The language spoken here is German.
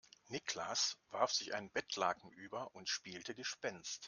Niklas warf sich ein Bettlaken über und spielte Gespenst.